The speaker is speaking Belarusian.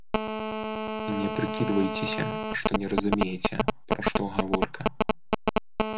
Не прыкідвайцеся, што не разумееце, пра што гаворка.